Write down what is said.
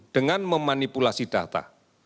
dengan memanipulasi data